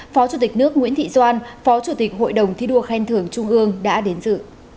phó chủ tịch nước nguyễn thị doan phó chủ tịch hội đồng thi đua khen thưởng trung ương đã đến dự